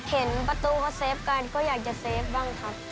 เห็นประตูเขาเซฟกันก็อยากจะเซฟบ้างครับ